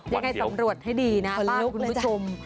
ยังไงสำรวจให้ดีนะเล่าคุณผู้ชม